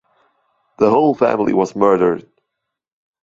The whole family was murdered.